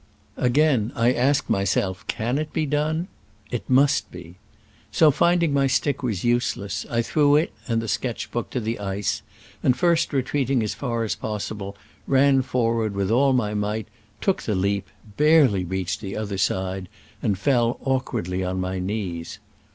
Again I asked myself, "Can it be done?'* It must be. So, finding my stick was useless, I threw it and the sketch book to the ice, and first retreating as far as possible, ran forward with all my might, took the leap, barely reached the other side, and fell awk wardly on my knees.